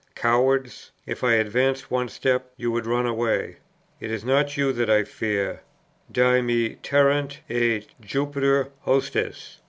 Cowards! if I advanced one step, you would run away; it is not you that I fear: "Di me terrent, et Jupiter hostis."